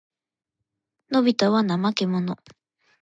のびたは怠けもの。